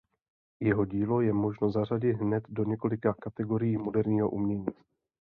Jeho dílo je možno zařadit hned do několika kategorií moderního umění.